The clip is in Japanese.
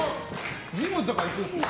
ジムとか行くんですか？